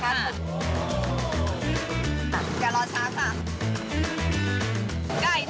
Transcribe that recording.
คือที่เราทำอย่างน้อย